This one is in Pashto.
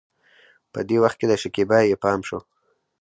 په دې وخت کې د شکيبا پې پام شو.